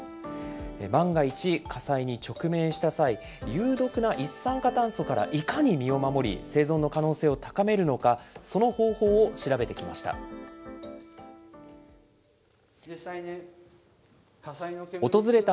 万が一、火災に直面した際、有毒な一酸化炭素からいかに身を守り、生存の可能性を高めるのか、その方法を調べてきました。